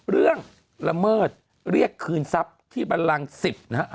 เรื่องละเมิดเรียกคืนทรัพย์ที่บันรัง๑๐นะฮะ